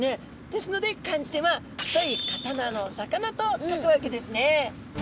ですので漢字では太い刀の魚と書くわけですね。